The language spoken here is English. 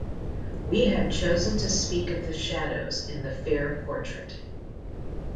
We have chosen to speak of the shadows in the fair portrait.